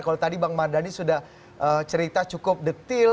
kalau tadi bang mardhani sudah cerita cukup detil